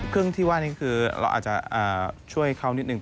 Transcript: เครื่องที่ว่านี้คือเราอาจจะช่วยเขานิดหนึ่ง